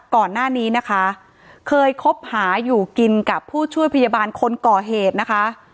ก่อนหน้านี้นะคะเคยคบหาอยู่กินกับผู้ช่วยพยาบาลคนก่อเหตุนะคะ